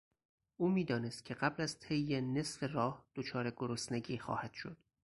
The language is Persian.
او میدانست که قبل از طی نصف راه دچار گرسنگی خواهد شد.